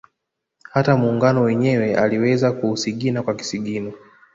Hata Muungano wenyewe aliweza kuusigina kwa kisigino